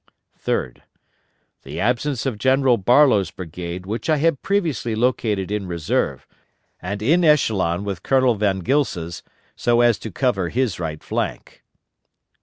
"Third. The absence of General Barlow's brigade, which I had previously located in reserve, and in echelon with Colonel Von Gilsa's, so as to cover his right flank."